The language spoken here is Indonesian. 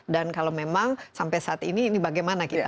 dan kalau memang sampai saat ini ini bagaimana kita